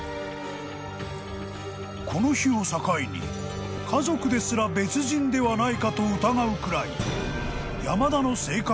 ［この日を境に家族ですら別人ではないかと疑うくらい］